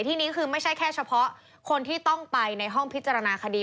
ที่นี้คือไม่ใช่แค่เฉพาะคนที่ต้องไปในห้องพิจารณาคดี